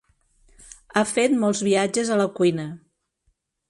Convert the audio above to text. Ha fet molts viatges a la cuina.